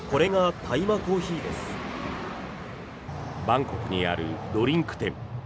バンコクにあるドリンク店。